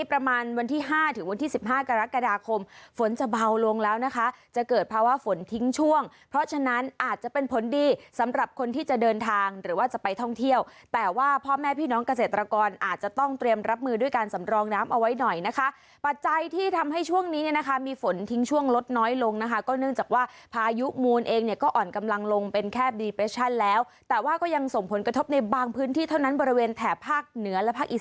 ประมาณวันที่๕ถึงวันที่๑๕กรกฎาคมฝนจะเบาลงแล้วนะคะจะเกิดเพราะว่าฝนทิ้งช่วงเพราะฉะนั้นอาจจะเป็นผลดีสำหรับคนที่จะเดินทางหรือว่าจะไปท่องเที่ยวแต่ว่าพ่อแม่พี่น้องเกษตรกรอาจจะต้องเตรียมรับมือด้วยการสำรองน้ำเอาไว้หน่อยนะคะปัจจัยที่ทำให้ช่วงนี้นะคะมีฝนทิ้งช่วงลดน้อยลงนะคะก็เน